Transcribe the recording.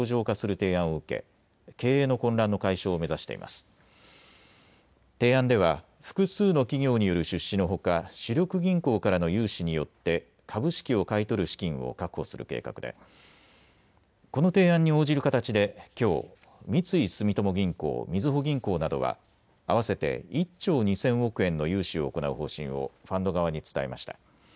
提案では複数の企業による出資のほか主力銀行からの融資によって株式を買い取る資金を確保する計画でこの提案に応じる形できょう、三井住友銀行、みずほ銀行などは合わせて１兆２０００億円の融資を行う方針をファンド側に伝えました。